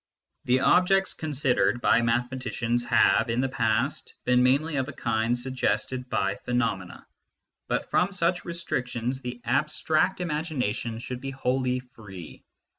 The objects considered by mathematicians have, in the past, been mainly of a kind suggested by phenomena ; but from such restrictions the abstract imagination 70 MYSTICISM AND LOGIC should be wholly free.